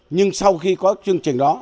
nhưng sau khi có chương trình đó